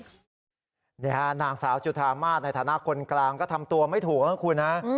นี่ฮะนางสาวจุธามาสในฐานะคนกลางก็ทำตัวไม่ถูกนะคุณฮะ